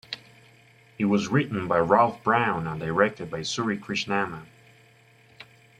It was written by Ralph Brown and directed by Suri Krishnamma.